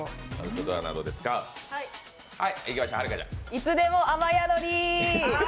いつでも雨宿り。